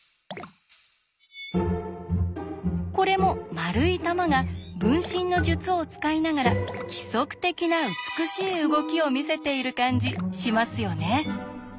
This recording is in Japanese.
これも丸い玉が「分身の術」を使いながら規則的な美しい動きを見せている感じしますよね？